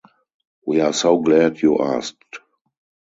We are so glad you asked!